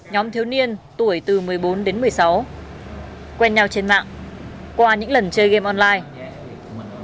nhóm thiếu niên tuổi từ một mươi bốn đến một mươi sáu quen nhau trên mạng qua những lần chơi game online